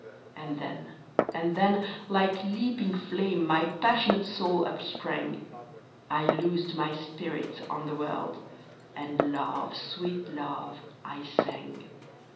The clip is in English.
MYRNA. 89 And then, and then, Hke leaping flame My passionate soul upsprang, I loosed my spirit on the world, And love, sweet love, I sang.